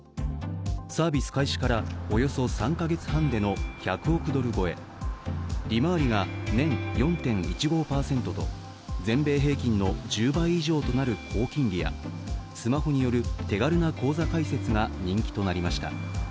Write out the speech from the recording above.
サービス開始からおよそ３か月半での１００億ドル超え利回りが年４．１５％と全米平均の１０倍以上となる高金利やスマホによる手軽な口座開設が人気となりました。